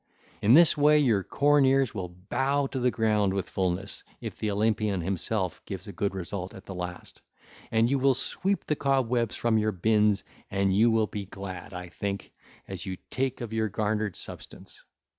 In this way your corn ears will bow to the ground with fullness if the Olympian himself gives a good result at the last, and you will sweep the cobwebs from your bins and you will be glad, I ween, as you take of your garnered substance.